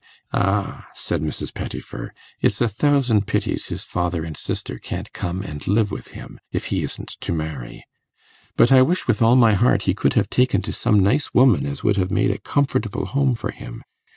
'Ah,' said Mrs. Pettifer, 'it's a thousand pities his father and sister can't come and live with him, if he isn't to marry. But I wish with all my heart he could have taken to some nice woman as would have made a comfortable home for him.